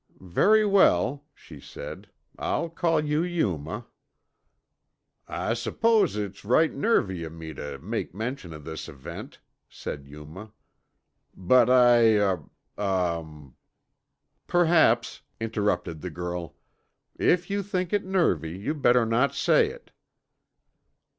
"Very well," she said, "I'll call you Yuma." "I suppose it's right nervy o' me tuh make mention o' this next," said Yuma, "But, I er uh...." "Perhaps," interrupted the girl, "if you think it nervy, you'd better not say it."